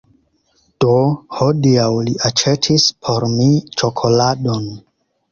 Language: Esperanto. Do, hodiaŭ li aĉetis por mi ĉokoladon